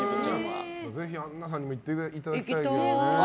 ぜひアンナさんにも行っていただきたいですけどね。